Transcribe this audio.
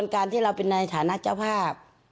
การที่เราเป็นในฐานะเจ้าภาพ